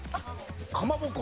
かまぼこ。